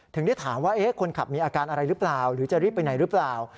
ถึงได้ถามว่าคนขับมีอาการอะไรหรือเปล่าหรือจะรีบไปไหนหรือเปล่า